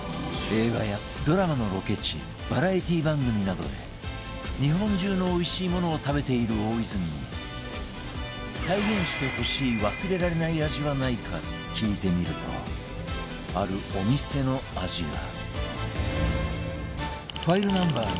映画やドラマのロケ地バラエティー番組などで日本中のおいしいものを食べている大泉に再現してほしい忘れられない味はないか聞いてみるとあるお店の味が